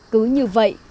cứ như vậy